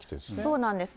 そうなんです。